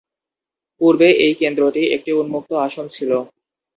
পূর্বে এই কেন্দ্রটি একটি উন্মুক্ত আসন ছিল।